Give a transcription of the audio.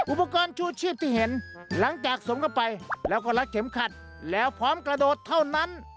อุปกรณ์ชูชีพที่เห็นหลังจากสวมเข้าไปแล้วก็รัดเข็มขัดแล้วพร้อมกระโดดเท่านั้น